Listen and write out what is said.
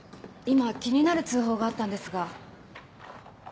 今気になる通報があったんですが。